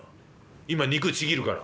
今肉ちぎるから」。